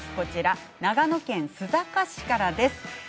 長野県須坂市からです。